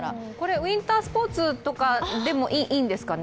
ウインタースポーツとかでもいいんですかね？